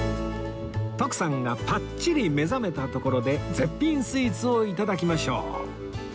徳さんがパッチリ目覚めたところで絶品スイーツをいただきましょう